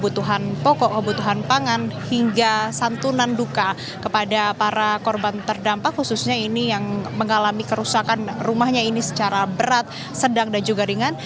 dan pokok kebutuhan pangan hingga santunan duka kepada para korban terdampak khususnya ini yang mengalami kerusakan rumahnya ini secara berat sedang dan juga ringan